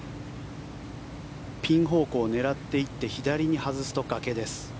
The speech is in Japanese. ピン方向を狙っていって左に外すと崖です。